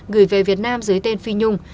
gửi về việt nam dưới tên phi nhung